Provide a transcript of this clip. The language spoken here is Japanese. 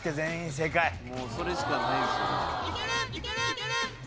もうそれしかないですよね。